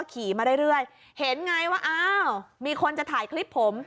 ขี่มาเรื่อยเห็นไงว่าอ้าวมีคนจะถ่ายคลิปผม